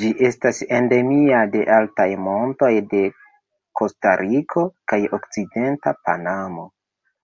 Ĝi estas endemia de altaj montoj de Kostariko kaj okcidenta Panamo.